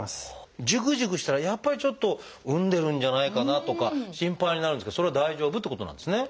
ジュクジュクしたらやっぱりちょっとうんでるんじゃないかなとか心配になるんですけどそれは大丈夫ってことなんですね。